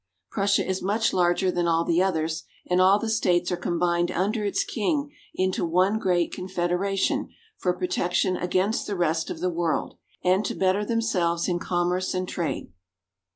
Prussia is much larger than all the others ; and all the states are combined under its king into one great confederation for protection against the rest of the world and to better themselves in commerce and trade.